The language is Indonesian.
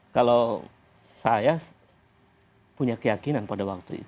kalau saya punya keyakinan pada waktu itu